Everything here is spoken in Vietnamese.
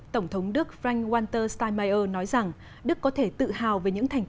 tổng thống đức frank walter steinmeier nói rằng đức có thể tự hào về những thành